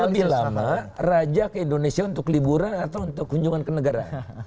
lebih lama raja ke indonesia untuk liburan atau untuk kunjungan ke negara